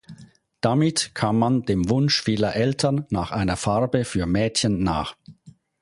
Damit kam man dem Wunsch vieler Eltern nach einer Farbe für Mädchen nach.